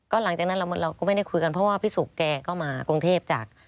หลังจากนั้นเราก็ไม่ได้คุยกันเพราะว่าพี่สุกแกก็มากรุงเทพจาก